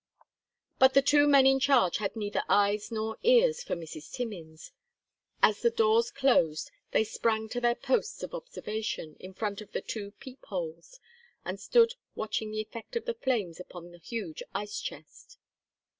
But the two men in charge had neither eyes nor ears for Mrs. Timmins. As the doors closed they sprang to their posts of observation, in front of the two peep holes, and stood watching the effect of the flames upon the huge ice chest.